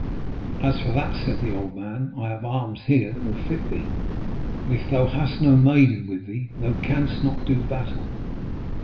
'As for that,' said the old man, 'I have arms here that will fit thee; but if thou hast no maiden with thee, thou canst not do battle.'